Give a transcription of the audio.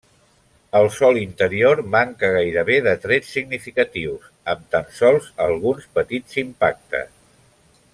El sòl interior manca gairebé de trets significatius, amb tan sols alguns petits impactes.